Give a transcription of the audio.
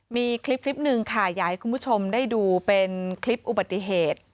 มีคลิปหนึ่งค่ะอยากให้คุณผู้ชมได้ดูเป็นคลิปอุบัติเหตุ